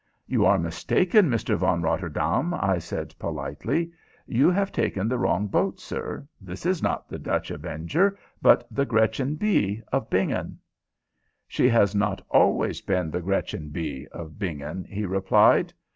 "You are mistaken, Mr. von Rotterdaam," I said, politely. "You have taken the wrong boat, sir. This is not the Dutch Avenger, but the Gretchen B., of Bingen." "She has not always been the Gretchen B., of Bingen," he replied.